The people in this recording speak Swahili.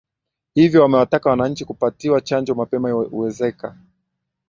hiyo wamewataka wananchi kupatiwa chanjo mapema uwezeka